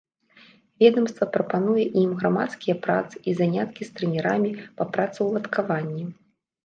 Ведамства прапануе ім грамадскія працы і заняткі з трэнерамі па працаўладкаванні.